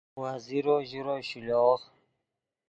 وزیرو ژورو شیلوغ